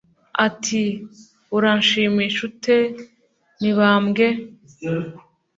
Ati “ Uranshimisha ute Mibambwe ?“